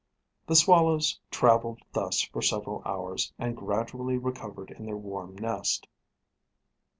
The swallows travelled thus for several hours, and gradually recovered in their warm nest.